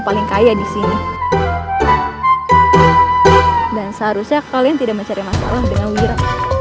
paling kaya di sini dan seharusnya kalian tidak mencari masalah dengan wira